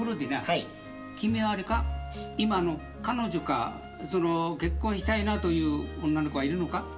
今彼女か結婚したいなという女の子はいるのか？